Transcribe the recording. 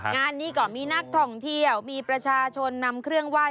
งานนี้ก็มีนักท่องเที่ยวมีประชาชนนำเครื่องไหว้